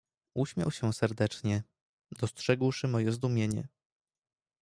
"Uśmiał się serdecznie, dostrzegłszy moje zdumienie."